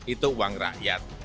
itu uang rakyat